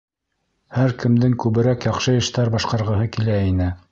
Һәр кемдең күберәк яҡшы эштәр башҡарғыһы килә ине.